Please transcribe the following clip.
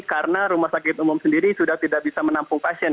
karena rumah sakit umum sendiri sudah tidak bisa menampung pasien